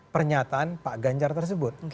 pernyataan pak ganjar tersebut